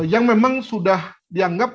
yang memang sudah dianggap